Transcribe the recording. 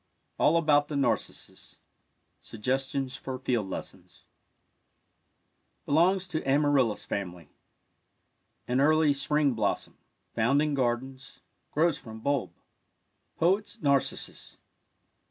ALL ABOUT THE NARCISSUS SUGGESTIONS FOR FIELD LESSONS Belongs to amaryllis family. An early spring blossom— found in gardens — grows from bulb. Poet's Narcissus.